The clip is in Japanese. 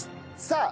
さあ